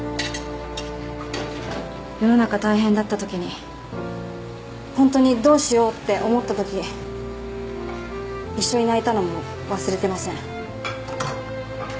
世の中大変だったときに本当にどうしようって思ったとき一緒に泣いたのも忘れてません